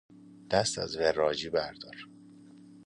دست از وراجی بردار!